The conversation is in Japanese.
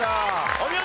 お見事！